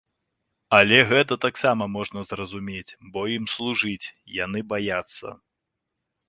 Але гэта таксама можна зразумець, бо ім служыць, яны баяцца.